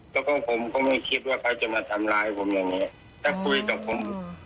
แล้วก็ผมก็ไม่คิดว่าเขาจะมาทำร้ายผมอย่างนี้ถ้าคุยกับผม